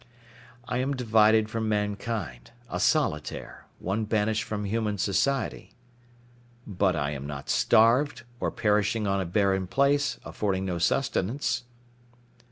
I am divided from mankind—a solitaire; one banished from human society. But I am not starved, and perishing on a barren place, affording no sustenance.